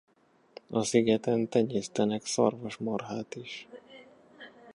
A szigeten tenyésztenek szarvasmarhát is.